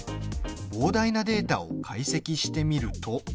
膨大なデータを解析してみると。